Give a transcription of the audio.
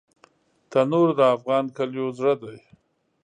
تنور د افغان کلیو زړه دی